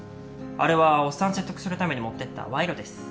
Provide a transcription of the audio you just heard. あれはおっさん説得するために持ってった賄賂です。